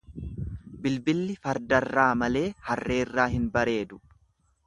Bilbilli fardarraa malee harreerraa hin bareedu.